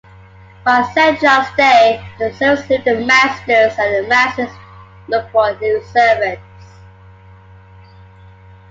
By Saint John’s day, the servants leave their masters and the masters look for new servants.